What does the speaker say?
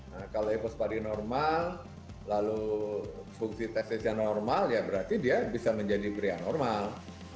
nah kalau hipospadi normal lalu fungsi testisnya normal ya berarti dia bisa menjadi pria normal